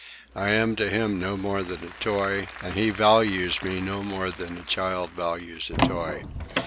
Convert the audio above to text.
I am to him no more than a toy, and he values me no more than a child values a toy.